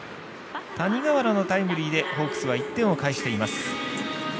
谷川原のタイムリーでホークスは１点返しています。